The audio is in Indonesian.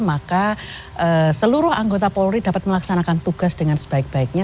maka seluruh anggota polri dapat melaksanakan tugas dengan sebaik baiknya